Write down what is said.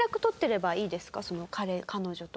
彼彼女と。